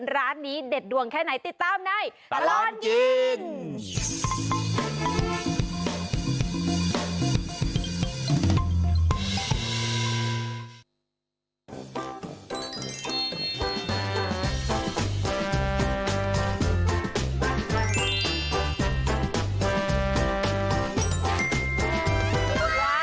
ร้านนี้เด็ดดวงแค่ไหนติดตามในตลอดกิน